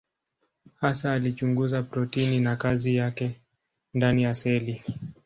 Hasa alichunguza protini na kazi yake ndani ya seli.